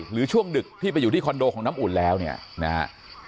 ช่วงดึกที่ไปอยู่ที่คอนโดของน้ำอุ่นแล้วเนี่ยนะฮะ